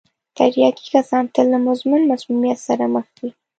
تریاکي کسان تل له مزمن مسمومیت سره مخ وي.